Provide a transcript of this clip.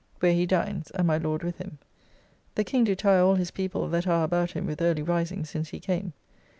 ] where he dines, and my Lord with him. The King do tire all his people that are about him with early rising since he came.